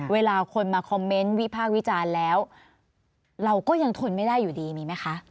เวลาคนมาคอมเมนต์วิพากษ์วิจารณ์แล้วเราก็ยังทนไม่ได้อยู่ดีมีไหมคะ